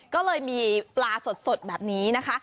ก็เลยมีปลาสดแบบนี้นะคะ